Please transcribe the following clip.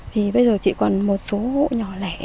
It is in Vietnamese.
thì bây giờ chỉ còn một số hộ nhỏ lẻ